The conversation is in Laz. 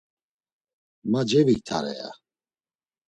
Ma ceviktare, ya.